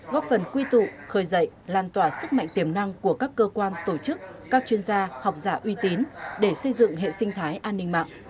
góp phần quy tụ khởi dạy lan tỏa sức mạnh tiềm năng của các cơ quan tổ chức các chuyên gia học giả uy tín để xây dựng hệ sinh thái an ninh mạng